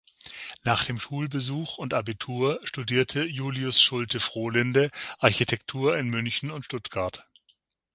Nach dem Schulbesuch und Abitur studierte Julius Schulte-Frohlinde Architektur in München und Stuttgart.